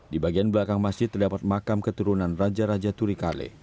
di bagian belakang masjid terdapat makam keturunan raja raja turikale